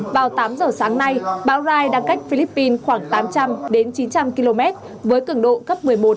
vào tám giờ sáng nay bão rai đang cách philippines khoảng tám trăm linh đến chín trăm linh km với cường độ cấp một mươi một